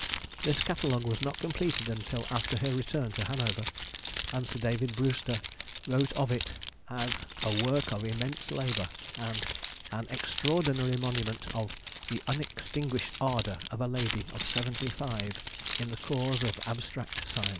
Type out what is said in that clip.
This Catalogue was not completed until after her return to Hanover, and Sir David Brewster wrote of it as "a work of immense labour," and "an extraordinary monument of the unextinguished ardour of a lady of seventy five in the cause of abstract science."